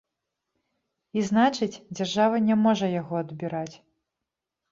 І значыць, дзяржава не можа яго адбіраць.